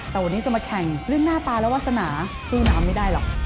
แต่วันนี้จะมาแข่งเรื่องหน้าตาและวาสนาสู้น้ำไม่ได้หรอก